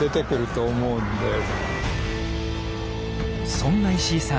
そんな石井さん